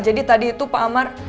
jadi tadi itu pak amar